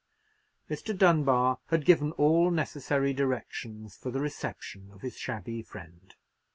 Mr. Dunbar had given all necessary directions for the reception of his shabby friend.